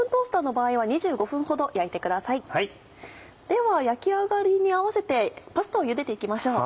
では焼き上がりに合わせてパスタをゆでて行きましょう。